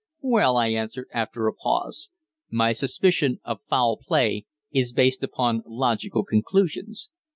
"Well," I answered, after a pause, "my suspicion of foul play is based upon logical conclusions.